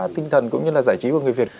tinh thần cũng như là giải trí của người việt